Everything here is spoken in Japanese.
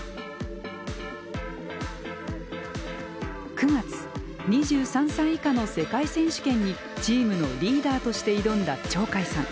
９月２３歳以下の世界選手権にチームのリーダーとして挑んだ鳥海さん。